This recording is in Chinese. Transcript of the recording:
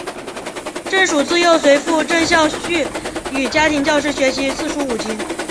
郑禹自幼随父郑孝胥与家庭教师学习四书五经。